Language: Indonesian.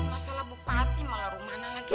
masalah bupati malah rumahnya lagi